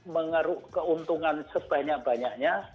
mengeruk keuntungan sebanyak banyaknya